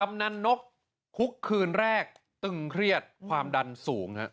กำนันนกคุกคืนแรกตึงเครียดความดันสูงฮะ